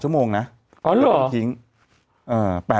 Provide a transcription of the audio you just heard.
๘ชั่วโมงนะ